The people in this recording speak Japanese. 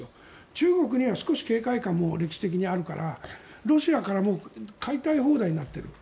中国には少し警戒感も歴史的にあるからロシアからも買いたい放題になっている。